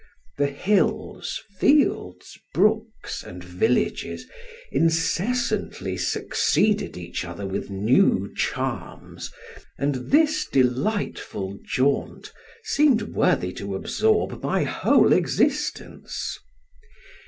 The hills, fields, brooks and villages, incessantly succeeded each other with new charms, and this delightful jaunt seemed worthy to absorb my whole existence.